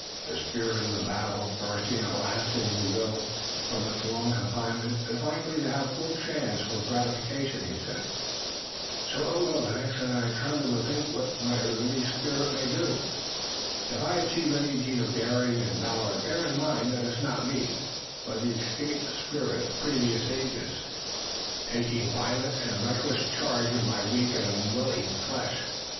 "The spirit of battle, bursting at last in you, Will, from its long confinement, is likely to have full chance for gratification," he said. "So it will, Lennox, and I tremble to think of what that released spirit may do. If I achieve any deed of daring and valor bear in mind that it's not me, but the escaped spirit of previous ages taking violent and reckless charge of my weak and unwilling flesh."